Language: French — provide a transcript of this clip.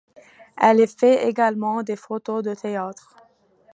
Elle a fait également des photos de théâtre.